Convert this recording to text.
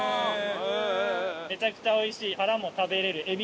めちゃくちゃ美味しい。